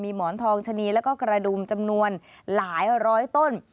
หมอนทองชะนีแล้วก็กระดุมจำนวนหลายร้อยต้น